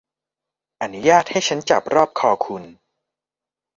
อนุญาตให้ฉันจับรอบคอคุณ